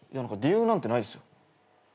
理由なんてないっすよ。